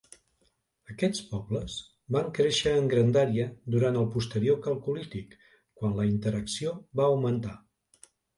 Aquests pobles van créixer en grandària durant el posterior calcolític, quan la interacció va augmentar.